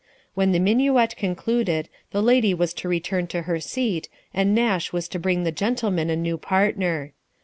When the minuet concluded, the lady was to return to her seat, and Nash was to bring the gentleman a new partner.